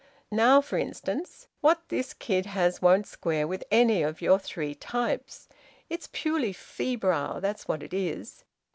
Now for instance, what this kid has won't square with any of your three types. It's purely febrile, that's what it is.